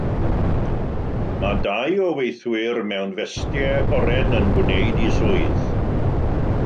Mae dau o weithwyr mewn festiau oren yn gwneud eu swydd.